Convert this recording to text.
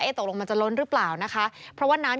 ตกลงมันจะล้นหรือเปล่านะคะเพราะว่าน้ำ